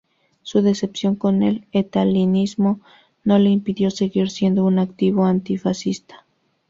Su decepción con el estalinismo no le impidió seguir siendo un activo antifascista.